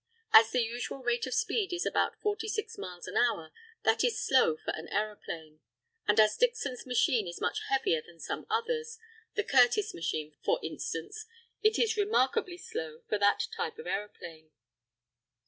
As the usual rate of speed is about 46 miles an hour, that is slow for an aeroplane; and as Dickson's machine is much heavier than some others the Curtiss machine, for instance it is remarkably slow for that type of aeroplane.